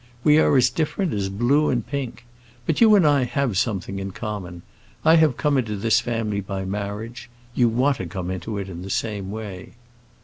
We are as different as blue and pink. But you and I have something in common. I have come into this family by marriage; you want to come into it in the same way."